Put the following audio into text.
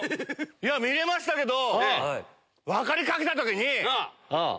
見れましたけど。